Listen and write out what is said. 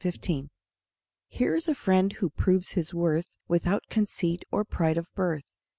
MY DOG Here is a friend who proves his worth Without conceit or pride of birth.